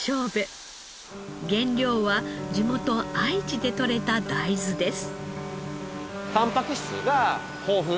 原料は地元愛知でとれた大豆です。